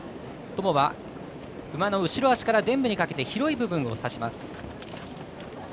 トモは馬の後ろ脚からでん部にかけて広い部分を指します。